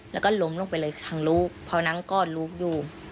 แล้วก็ล้มลงไปเลยทั้งลูกพอนั่งกอดลูกอยู่